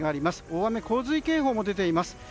大雨・洪水警報も出ています。